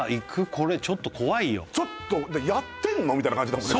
これちょっと怖いよ「やってんの？」みたいな感じだもんね